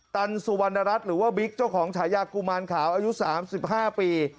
ตันสุวรรณรัฐหรือว่าบิ๊กเจ้าของฉายากุมารขาวอายุ๓๕ปี